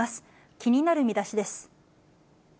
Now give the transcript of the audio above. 気になるミダシです。